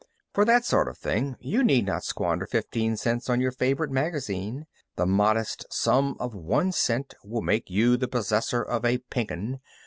For that sort of thing you need not squander fifteen cents on your favorite magazine. The modest sum of one cent will make you the possessor of a Pink 'Un.